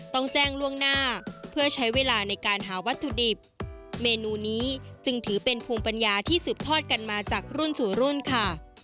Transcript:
ต้องแจ้งล่วงหน้าเพื่อใช้เวลาในการหาวัตถุดิบเมนูนี้จึงถือเป็นภูมิปัญญาที่สืบทอดกันมาจากรุ่นสู่รุ่นค่ะ